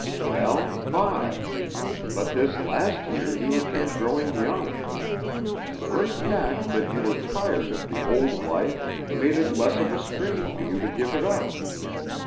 "Well, five; but this last year you have been growing young. The very fact that you were tired of the old life made it less of a strain for you to give it up.